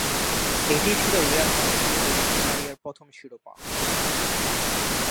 এটিই ছিল রিয়াল মাদ্রিদের হয়ে দি মারিয়ার প্রথম শিরোপা।